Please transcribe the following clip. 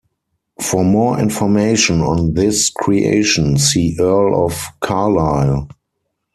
For more information on this creation, see Earl of Carlisle.